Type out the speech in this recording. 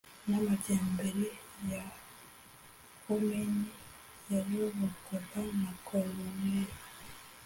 n'amajyambere ya komini yayoborwaga na koloneli